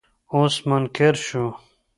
اوس منکر شو.